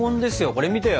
これ見てよ。